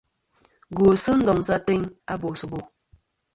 Gwosɨ ndoŋsɨ ateyn a bòsɨ bò.